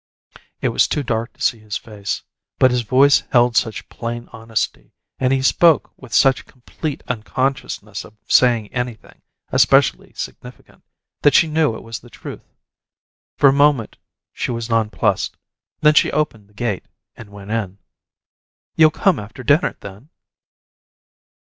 It was too dark to see his face, but his voice held such plain honesty, and he spoke with such complete unconsciousness of saying anything especially significant, that she knew it was the truth. For a moment she was nonplussed, then she opened the gate and went in. "You'll come after dinner, then?"